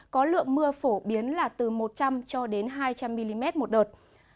có lượng mưa phổ biến là từ một trăm linh cho đến hai trăm linh mm một đợt